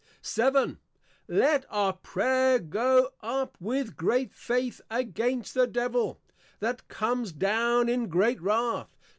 VII. Let our Prayer go up with great Faith, against the Devil, that comes down in great Wrath.